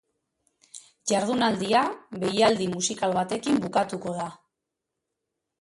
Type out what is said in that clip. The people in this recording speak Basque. Jardunaldia beilaldi musikal batekin bukatuko da.